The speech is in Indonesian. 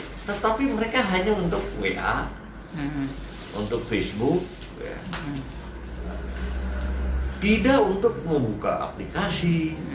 tetapi mereka hanya untuk wa untuk facebook tidak untuk membuka aplikasi